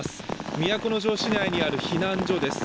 都城市内にある避難所です。